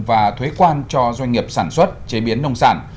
và thuế quan cho doanh nghiệp sản xuất chế biến nông sản